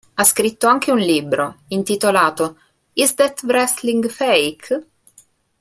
Ha scritto anche un libro, intitolato "Is That Wrestling Fake?